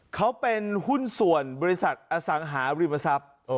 เขาเป็นหุ้นส่วนบริษัทอสังหาริมทรัพย์